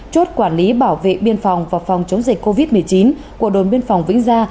chốt quản lý bảo vệ biên phòng và phòng chống dịch covid một mươi chín của đồn biên phòng vĩnh gia